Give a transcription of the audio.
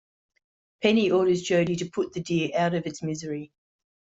Penny orders Jody to put the deer out of its misery.